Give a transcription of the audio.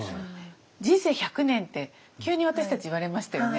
「人生１００年」って急に私たち言われましたよね。